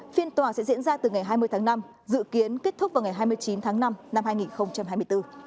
phiên tòa sẽ diễn ra từ ngày hai mươi tháng năm dự kiến kết thúc vào ngày hai mươi chín tháng năm năm hai nghìn hai mươi bốn